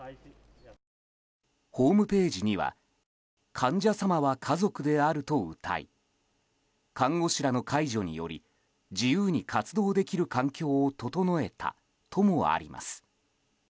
ホームページには「患者様は家族である」とうたい看護師らの介助により自由に活動できる環境を整えたともあります。